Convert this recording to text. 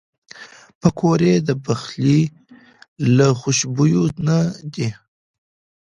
پکورې د پخلي له خوشبویو نه دي